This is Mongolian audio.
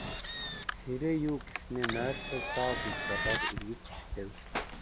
Сэрээе юү гэснээ нойрсог доо гэж бодоод эргэж хэвтэв.